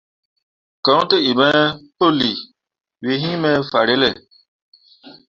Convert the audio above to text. Koɲ tǝ iŋ me pǝlii, we hyi me fahrelle.